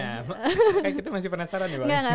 kayak kita masih penasaran ya bang